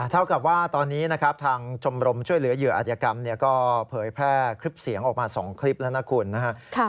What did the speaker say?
เท่ากับว่าตอนนี้นะครับทางชมรมช่วยเหลือเหยื่ออัธยกรรมก็เผยแพร่คลิปเสียงออกมา๒คลิปแล้วนะคุณนะครับ